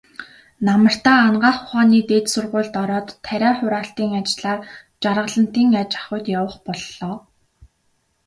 Намартаа Анагаах ухааны дээд сургуульд ороод, тариа хураалтын ажлаар Жаргалантын аж ахуйд явах боллоо.